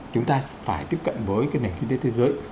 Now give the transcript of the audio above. chúng ta phải tiếp cận với cái nền kinh tế thế giới